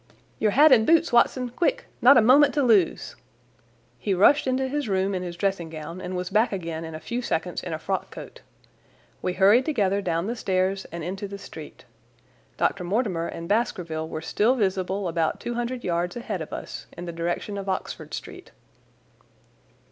"Your hat and boots, Watson, quick! Not a moment to lose!" He rushed into his room in his dressing gown and was back again in a few seconds in a frock coat. We hurried together down the stairs and into the street. Dr. Mortimer and Baskerville were still visible about two hundred yards ahead of us in the direction of Oxford Street.